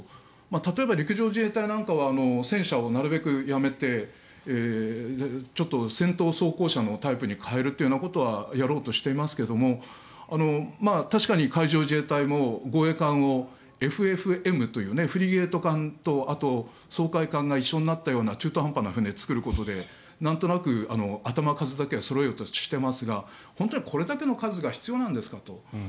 例えば陸上自衛隊なんかは戦車をなるべくやめてちょっと戦闘装甲車のタイプに変えるということはやろうとしていますけれど確かに海上自衛隊も護衛艦をＦＦＭというフリゲート艦と掃海艦が一緒になったような中途半端な船を造ることでなんとなく頭数だけはそろえようとしていますが本当にこれだけの数が必要なんですかと。